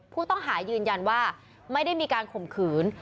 ผู้ต้องหายืนยันว่าไม่ได้มีการข่มขืน